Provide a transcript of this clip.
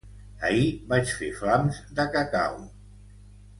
Ahir vaig fer flams de cacau